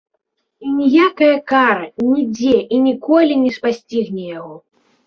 І ніякая кара нідзе і ніколі не спасцігне яго.